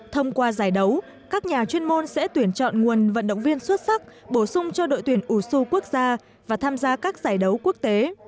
thông qua giải đấu các nhà chuyên môn sẽ tuyển chọn nguồn vận động viên xuất sắc bổ sung cho đội tuyển usu quốc gia và tham gia các giải đấu quốc tế